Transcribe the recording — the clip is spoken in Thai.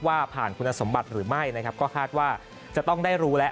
ผ่านคุณสมบัติหรือไม่นะครับก็คาดว่าจะต้องได้รู้แล้ว